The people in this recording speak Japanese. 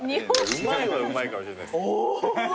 うまいはうまいかもしれない。